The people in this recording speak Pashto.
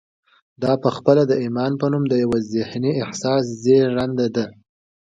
دا پخپله د ایمان په نوم د یوه ذهني احساس زېږنده ده